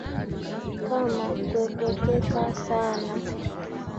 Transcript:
Kama kwekweteka sana